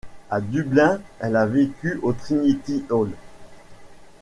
À Dublin, elle a vécu au Trinity Hall.